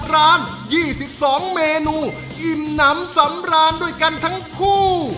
ร้าน๒๒เมนูอิ่มน้ำสำราญด้วยกันทั้งคู่